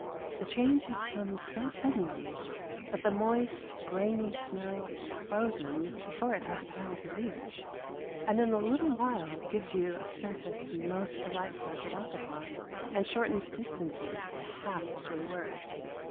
The change has come so suddenly that the moist, grainy snow is frozen before it has time to leach, and in a little while gives you a surface most delightful to walk upon, and shortens distances to half what they were.